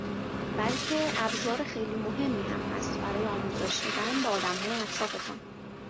بلکه ابزار خیلی مهمی هم است برای آموزش دادن به آدمهای اطرافتان